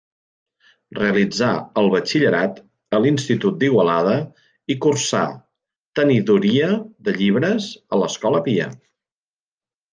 Realitzà el batxillerat a l'Institut d'Igualada i cursà Tenidoria de llibres a l'Escola Pia.